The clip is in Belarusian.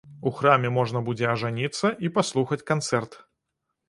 У храме можна будзе ажаніцца і паслухаць канцэрт.